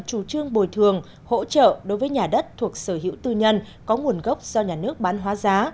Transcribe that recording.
chủ trương bồi thường hỗ trợ đối với nhà đất thuộc sở hữu tư nhân có nguồn gốc do nhà nước bán hóa giá